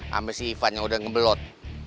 sama si ivan yang udah ngebelot